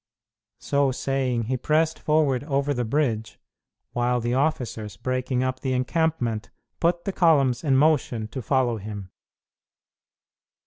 _" So saying, he pressed forward over the bridge, while the officers, breaking up the encampment, put the columns in motion to follow him.